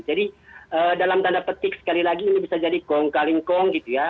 jadi dalam tanda petik sekali lagi ini bisa jadi kong kalinkong gitu ya